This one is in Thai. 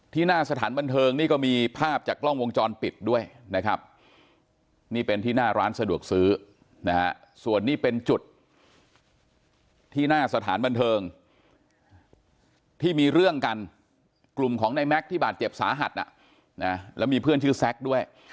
หน้าสถานบันเทิงนี่ก็มีภาพจากกล้องวงจรปิดด้วยนะครับนี่เป็นที่หน้าร้านสะดวกซื้อนะฮะส่วนนี้เป็นจุดที่หน้าสถานบันเทิงที่มีเรื่องกันกลุ่มของในแม็กซ์ที่บาดเจ็บสาหัสแล้วมีเพื่อนชื่อแซคด้วย